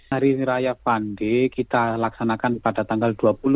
hari raya pandai kita laksanakan pada tanggal dua puluh